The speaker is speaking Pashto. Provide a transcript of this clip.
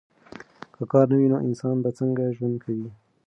که کار نه وي نو انسان به څنګه ژوند کوي؟